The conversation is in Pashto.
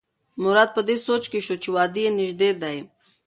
مراد په دې سوچ کې شو چې واده یې نژدې دی.